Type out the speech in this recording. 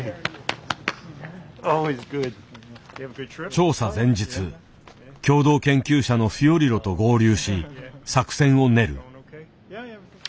調査前日共同研究者のフィオリロと合流し作戦を練る。